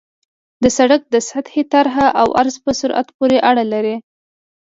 د سرک د سطحې طرح او عرض په سرعت پورې اړه لري